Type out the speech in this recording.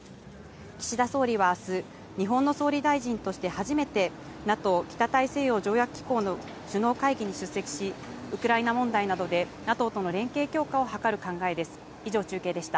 岸田総理はあす、日本の総理大臣として初めて、ＮＡＴＯ・北大西洋条約機構の首脳会議に出席し、ウクライナ問題などで、ＮＡＴＯとの連携強化を図る考えです。